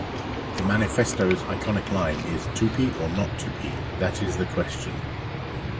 The "Manifesto's" iconic line is "Tupi or not Tupi: that is the question.